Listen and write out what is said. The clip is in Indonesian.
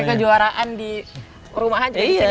pake kejuaraan di rumah aja di sini ya di kompaknya